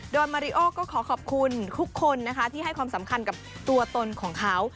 โดยมาริโอก็ขอขอบคุณทุกคนนะคะที่ให้ความสำคัญกับตัวตนของเขา